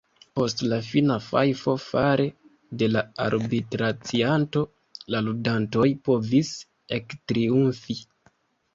Post la fina fajfo fare de la arbitracianto, la ludantoj povis ektriumfi.